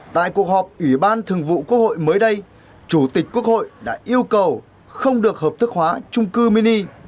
tại cuộc họp ủy ban thường vụ quốc hội mới đây chủ tịch quốc hội đã yêu cầu không được hợp thức hóa trung cư mini